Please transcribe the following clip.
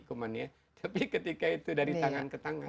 tapi ketika itu dari tangan ke tangan